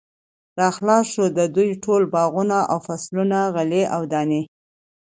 را خلاص شو، د دوی ټول باغونه او فصلونه، غلې او دانې